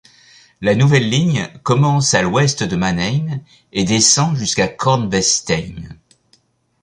La nouvelle ligne commence à l'ouest à Mannheim et descend jusqu'à Kornwestheim.